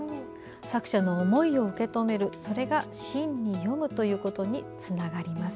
作者のおもいを受け止めるそれが真に読むということにつながります。